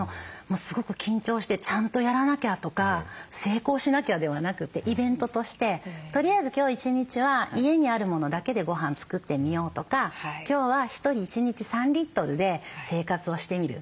すごく緊張してちゃんとやらなきゃとか成功しなきゃではなくてイベントとしてとりあえず今日一日は家にあるものだけでごはん作ってみようとか今日は１人１日３リットルで生活をしてみる。